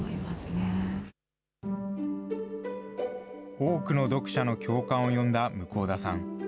多くの読者の共感を呼んだ向田さん。